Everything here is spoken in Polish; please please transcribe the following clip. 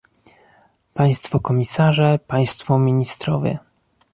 Państwo Komisarze, Państwo Ministrowie